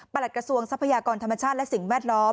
หลักกระทรวงทรัพยากรธรรมชาติและสิ่งแวดล้อม